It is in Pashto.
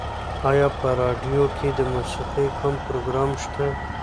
ایا په راډیو کې د موسیقۍ کوم پروګرام شته؟